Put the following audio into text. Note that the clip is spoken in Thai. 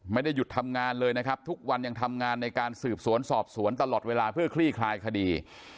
ไม่ได้หยุดทำงานเลยนะครับทุกวันยังทำงานในการสืบสวนสอบสวนตลอดเวลาเพื่อคลี่คลายคดี